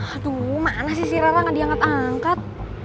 aduh mana sih si rara ga diangkat angkat